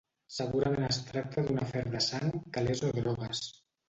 Segurament es tracta d'un afer de sang, calés o drogues.